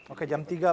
oke jam tiga pagi